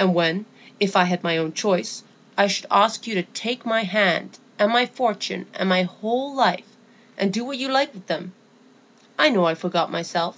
And when, if I had my own choice, I should ask you to take my hand and my fortune and my whole life, and do what you liked with them! I know I forgot myself.